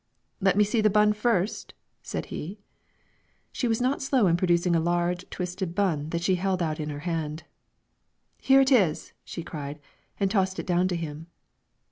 "Let me see the bun first?" said he. She was not slow in producing a large twisted bun that she held in her hand. "Here it is!" cried she, and tossed it down to him.